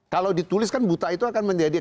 kalau ditulis kan buta itu akan menjadi